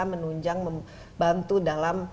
diperbojong membantu dalam